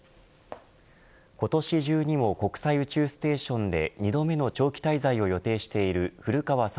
今年中にも国際宇宙ステーションで２度目の長期滞在を予定している古川聡